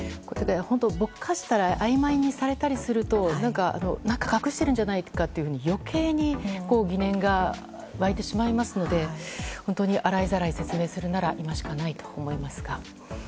本当にぼかしたりあいまいにされたりすると何か隠しているんじゃないかというように余計に疑念が湧いてしまいますので洗いざらい説明するなら今しかないと思います。